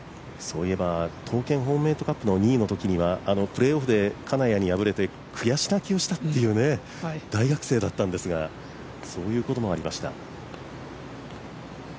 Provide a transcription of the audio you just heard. そういえば東建ホームメイトカップのときはプレーオフで金谷に敗れて悔し泣きをしたという大学生だったんですが、そういうこともありました。